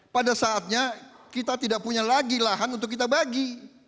pada saatnya kita tidak punya lagi lahan untuk kita bagi